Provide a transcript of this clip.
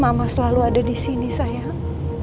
mama selalu ada di sini sayang